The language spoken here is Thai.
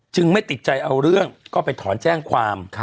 ไม่ติดใจเอาเรื่องก็ไปถอนแจ้งความ